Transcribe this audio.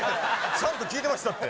ちゃんと聞いてましたって。